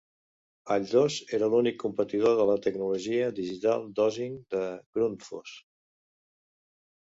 Alldos era l'únic competidor de la tecnologia "Digital Dosing" de Grundfos.